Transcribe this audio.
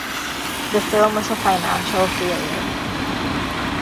The film was a financial failure.